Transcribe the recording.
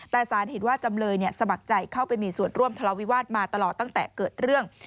แต่สารเห็นว่าจำเลยสมัครใจเข้าไปมีส่วนร่วมทะเลาวิวาสมาตลอดตั้งแต่เกิดเรื่อง